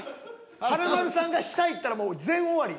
華丸さんが下いったらもう全終わり。